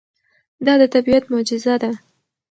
دا د طبیعت معجزه ده.